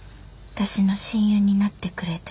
「私の親友になってくれて？」。